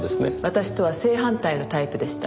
私とは正反対のタイプでした。